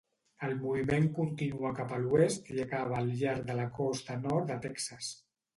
El moviment continua cap a l'oest i acaba al llarg de la costa nord de Texas.